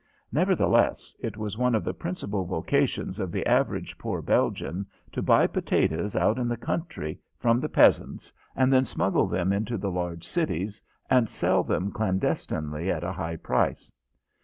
Nevertheless, it was one of the principal vocations of the average poor Belgian to buy potatoes out in the country from the peasants and then smuggle them into the large cities and sell them clandestinely at a high price.